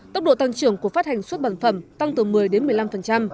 tốc độ tăng trưởng của phát hành xuất bản phẩm tăng từ một mươi đến một mươi năm